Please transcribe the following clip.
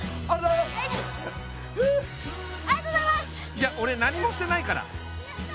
いや俺何もしてないから。